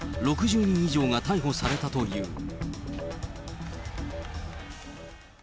６０人以上が逮捕されたという。